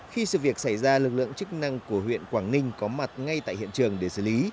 khi sự việc xảy ra lực lượng chức năng của huyện quảng ninh có mặt ngay tại hiện trường để xử lý